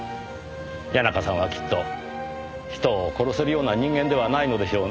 谷中さんはきっと人を殺せるような人間ではないのでしょうねぇ。